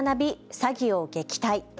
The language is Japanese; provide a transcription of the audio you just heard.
詐欺を撃退。